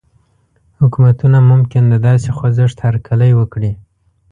حکومتونه ممکن د داسې خوځښت هرکلی وکړي.